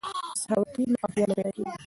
که سخاوت وي نو اړتیا نه پاتیږي.